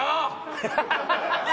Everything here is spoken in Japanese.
ハハハハ！